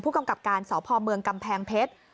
กำกับการสพเมืองกำแพงเพชร